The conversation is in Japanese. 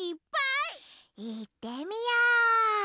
いってみよう！